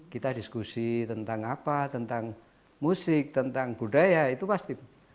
kita diskusi tentang apa tentang musik tentang budaya itu pasti